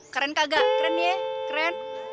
keren kagak keren ya keren